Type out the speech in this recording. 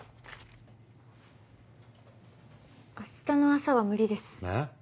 明日の朝は無理です。